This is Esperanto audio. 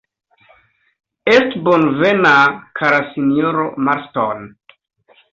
Estu bonvena, kara sinjoro Marston!